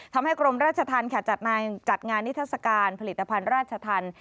ทำให้กรมราชธรรมจัดงานนิทัศกาลผลิตภัณฑ์ราชธรรม